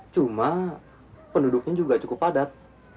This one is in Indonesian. cuma penduduknya juga cukup padat